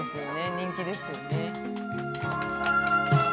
人気ですよね。